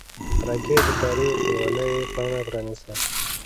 راکټ د تاریخ یوه نوې پاڼه پرانیسته